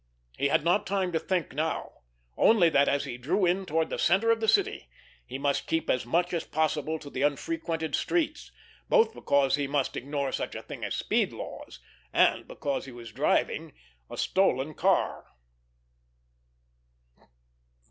He had not time to think now—only that as he drew in toward the centre of the city he must keep as much as possible to the unfrequented streets, both because he must ignore such a thing as speed laws, and because he was driving a stolen car.